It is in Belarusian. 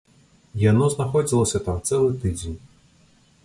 Яно знаходзілася там цэлы тыдзень.